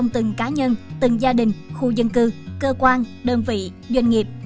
từng cá nhân từng gia đình khu dân cư cơ quan đơn vị doanh nghiệp